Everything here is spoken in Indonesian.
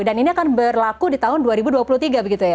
dan ini akan berlaku di tahun dua ribu dua puluh tiga begitu ya